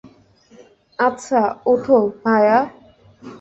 আচ্ছা, ওঠো, ভায়া।